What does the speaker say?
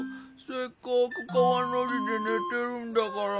せっかくかわのじでねてるんだから。